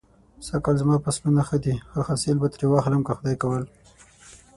سږ کال زما فصلونه ښه دی. ښه حاصل به ترې واخلم که خدای کول.